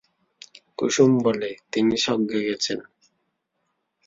কুসুম বলে, তিনি সগ্যে গেছেন।